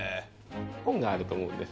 本があると思うんです。